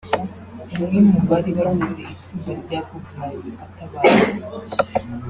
umwe mu bari bagize itsinda rya ‘GoodLyfe’ atabarutse